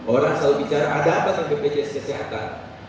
orang selalu bicara ada apa yang berbeda dengan kesehatan